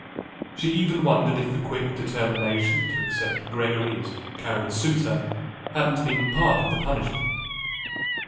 She even wondered if the quick determination to accept Gregory as Karen's suitor hadn't been part of the punishment.